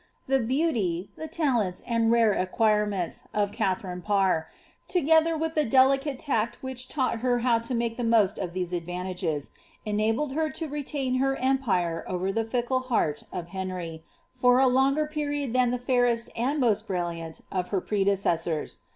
The (lauty, the isleni«, and rare acquirements of KatliRrine Parr, trt^ether *uh ih# deUnie isci which tauirhl her how to make the most of these ailnnta^«9, enabled her to retain her empire over thf (ickle heart of Htnry for a innger period than the fairest and mosi brilliani of her pre Actwora.